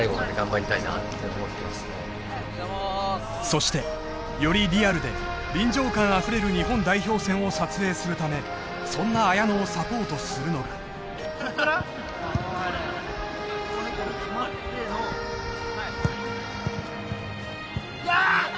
そしてよりリアルで臨場感あふれる日本代表戦を撮影するためそんな綾野をサポートするのがわっ！